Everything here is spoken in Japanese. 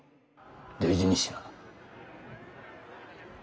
大事にしな。